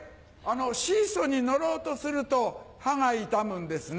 シーソーに乗ろうとすると歯が痛むんですね？